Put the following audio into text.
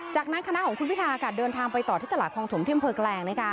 จากนั้นคณะของคุณพิธากะเดินทางไปต่อที่ตลาดควองถุ่มเทมเพิร์กแรง